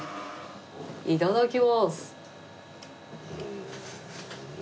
いただきます。